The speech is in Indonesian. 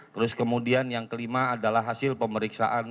terus kemudian yang kelima adalah hasil pemeriksaan